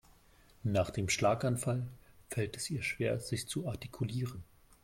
Nach dem Schlaganfall fällt es ihr schwer sich zu artikulieren.